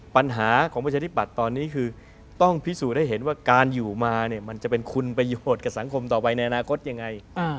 ปัญหาของประชาธิปัตย์ตอนนี้คือต้องพิสูจน์ให้เห็นว่าการอยู่มาเนี่ยมันจะเป็นคุณประโยชน์กับสังคมต่อไปในอนาคตยังไง